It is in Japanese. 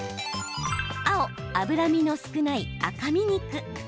青・脂身の少ない赤身肉。